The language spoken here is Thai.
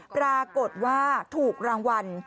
ปรากฏว่าถูกรางวัล